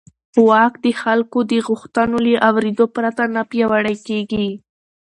واک د خلکو د غوښتنو له اورېدو پرته نه پیاوړی کېږي.